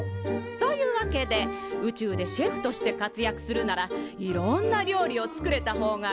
そういうわけで宇宙でシェフとしてかつやくするならいろんな料理を作れたほうがいい。